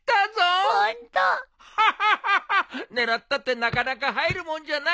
狙ったってなかなか入るもんじゃないぞ。